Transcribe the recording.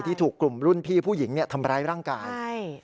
ที่ถูกกลุ่มรุ่นพี่ผู้หญิงทำร้ายร่างกาย